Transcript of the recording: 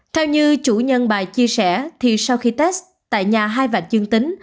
theo như chủ nhân bà chia sẻ thì sau khi test tại nhà hai vạn dương tính